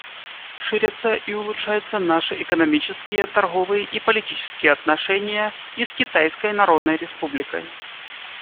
Ширятся и улучшаются наши экономические, торговые и политические отношения и с Китайской Народной Республикой.